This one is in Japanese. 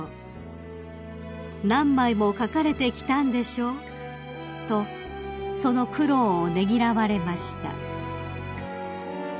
「何枚も書かれてきたんでしょう」とその苦労をねぎらわれました］